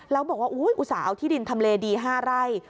แล้วบอกว่าอุตส่าห์เอาที่ดินทำเลดี๕ไร่